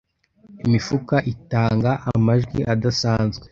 Imifuka itanga amajwi adasanzwe.